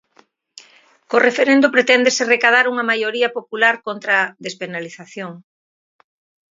Co referendo preténdese recadar unha maioría popular contra a despenalización.